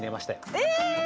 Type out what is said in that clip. ◆えっ！